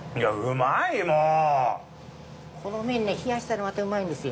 この麺ね冷やしたらまたウマイんですよ。